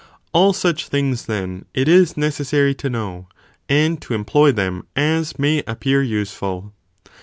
All such things, then, it is necessary to know, and to employ them as may appear useful.